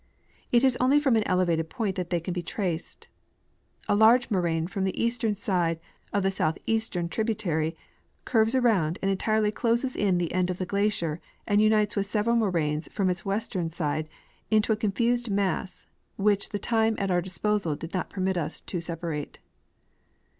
It is only from an elevated point that they can be traced. The moraines from the east are large and much massed together. A large moraine from the eastern side of the southeastern tribu tary curves around and entirely closes in the end of that glacier and unites with several moraines from its western side into a confused mass, which the time at our disposal did not permit us to separate.